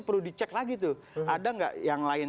perlu dicek lagi tuh ada nggak yang lain